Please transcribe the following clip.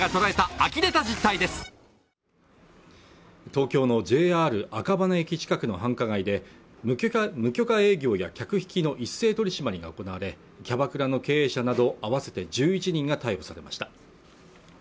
東京のＪＲ赤羽駅近くの繁華街で無許可営業や客引きの一斉取り締まりが行われキャバクラの経営者など合わせて１１人が逮捕されました